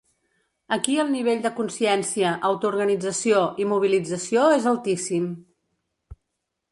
Aquí el nivell de consciència, autoorganització i mobilització és altíssim.